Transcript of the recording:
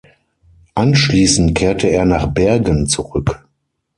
Anschließend kehrte er nach Bergen zurück.